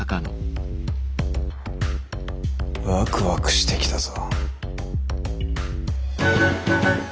ワクワクしてきたぞ。